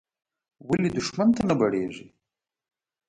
ولې دوښمن ته نه بړېږې.